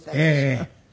ええ。